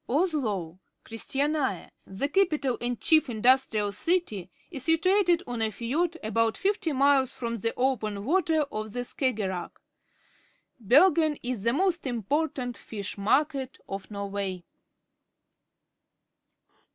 Oslo (Chris tiania), the capital and chief industrial city, is situated 6ii~a fiord about fifty miles from the open water of the Skaggerack. Ber gen is the most important fish market of Norway.